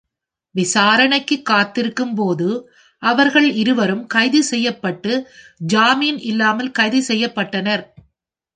விசாரணைக்கு காத்திருக்கும் போது அவர்கள் இருவரும் கைது செய்யப்பட்டு ஜாமீன் இல்லாமல் கைது செய்யப்பட்டனர்.